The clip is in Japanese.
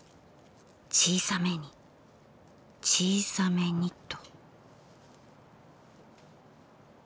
小さめに小さめにと。